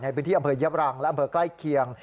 ในพื้นที่อำเภอเย็บรังและอำเภอใกล้เคียง